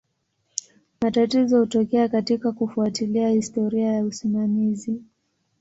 Matatizo hutokea katika kufuatilia historia ya usimamizi.